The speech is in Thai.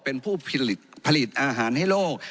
เป็นผู้ผลิตอาหารให้โลก